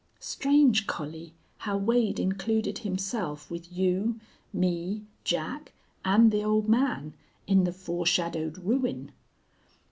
Strange, Collie, how Wade included himself with, you, me, Jack, and the old man, in the foreshadowed ruin!